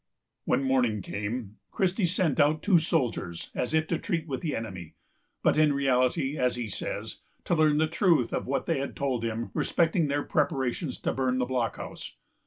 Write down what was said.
When morning came, Christie sent out two soldiers as if to treat with the enemy, but, in reality, as he says, to learn the truth of what they had told him respecting their preparations to burn the blockhouse.